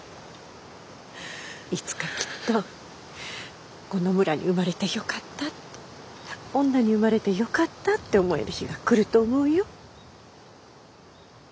いつかきっとこの村に生まれてよかったって女に生まれてよかったって思える日が来ると思うよ。